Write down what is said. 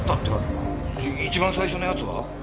じゃあ一番最初のやつは？